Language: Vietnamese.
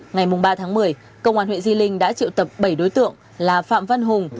ngày ba tháng một mươi công an huyện di linh đã triệu tập bảy đối tượng là phạm văn hùng